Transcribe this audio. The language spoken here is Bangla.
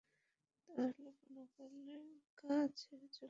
তাহলে কোনকালে গাঁ ছেড়ে চলে যেতাম।